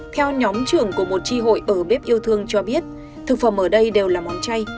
theo nhóm trưởng của một tri hội ở bếp yêu thương cho biết thực phẩm ở đây đều là món chay